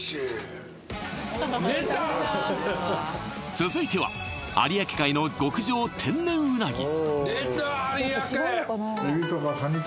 続いては有明海の極上天然うなぎ出た！